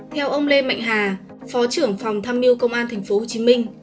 theo ông lê mạnh hà phó trưởng phòng tham mưu công an tp hcm